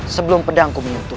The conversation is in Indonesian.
sebelum pedangku menyentuh